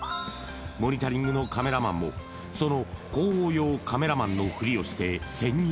「モニタリング」のカメラマンもその広報用カメラマンのふりをして潜入。